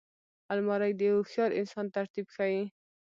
الماري د هوښیار انسان ترتیب ښيي